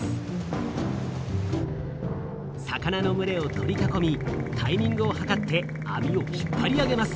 魚のむれを取り囲みタイミングを計ってあみを引っぱり上げます。